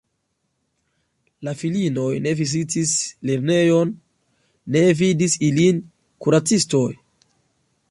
La filinoj ne vizitis lernejon, ne vidis ilin kuracistoj.